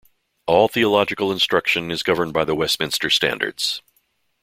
All theological instruction is governed by the Westminster Standards.